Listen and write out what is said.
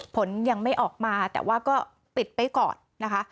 ผลยังไม่ออกมาแต่ว่าก็ปิดไปก่อนนะคะ